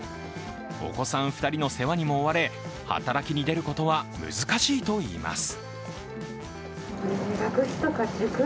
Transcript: お子さん２人の世話にも追われ働きに出ることは難しいといいます。